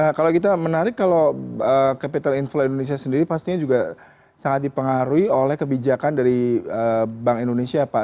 nah kalau kita menarik kalau capital inflow indonesia sendiri pastinya juga sangat dipengaruhi oleh kebijakan dari bank indonesia pak